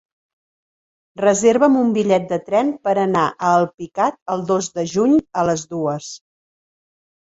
Reserva'm un bitllet de tren per anar a Alpicat el dos de juny a les dues.